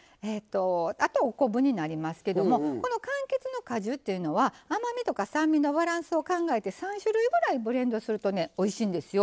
あと、お昆布になりますけどかんきつの果汁っていうのは甘みと酸味のバランスを考えて３種類ぐらいブレンドするとおいしいんですよ。